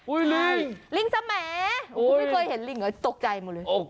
ลิงลิงสแหมดไม่เคยเห็นลิงเหรอตกใจหมดเลย